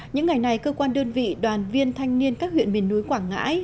những ngày này cơ quan đơn vị đoàn viên thanh niên các huyện miền núi quảng ngãi